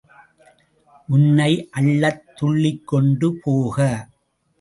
உன்னை அள்ளத் துள்ளிக்கொண்டு போக.